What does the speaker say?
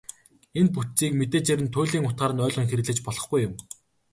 Энэ бүтцийг мэдээжээр туйлын утгаар нь ойлгон хэрэглэж болохгүй юм.